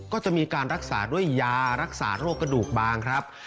ก็จะมีการรักษาด้วยยารักษาโรคกระดูกบางครับ